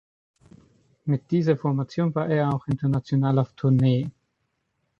Mit dieser Formation war er auch international auf Tournee.